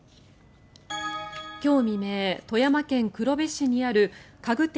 今日未明、富山県黒部市にある家具店